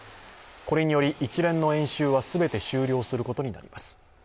これにより一連の演習は全て終了することになります。